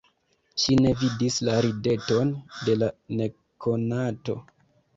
Ŝi ne vidis la rideton de la nekonato.